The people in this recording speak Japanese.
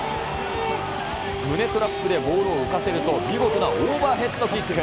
胸トラップでボールを浮かせると、見事なオーバーヘッドキック。